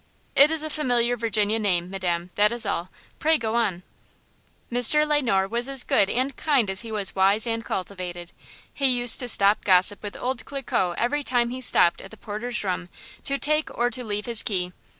"It is a familiar Virginia name, Madam, that is all; pray go on." "Mr. Le Noir was as good and kind as he was wise and cultivated. He used to stop to gossip with old Cliquot every time he stopped at the porter's room to take or to leave his key.